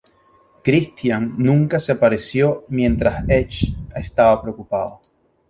Christian nunca se apareció mientras Edge estaba preocupado.